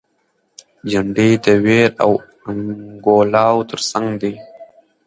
جنډې د ویر او انګولاوو تر څنګ دي.